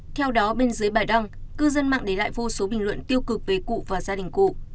theo đó bên dưới bài đăng cư dân mạng để lại vô số bình luận tiêu cực về cụ và gia đình cụ